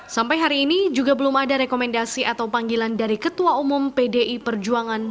sampai hari ini juga belum ada rekomendasi atau panggilan dari ketua umum pdi perjuangan